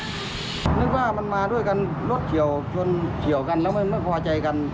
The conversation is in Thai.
นึกว่ามันมาด้วยกันรถเฉียวกันแล้วมันไม่พอใจกัน